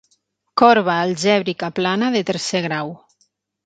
Corba algèbrica plana de tercer grau.